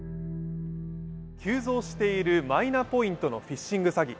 急増しているマイナポイントのフィッシング詐欺。